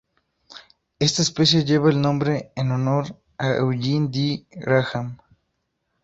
Esta especie lleva el nombre en honor a Eugene D. Graham.